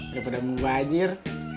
daripada mau gajir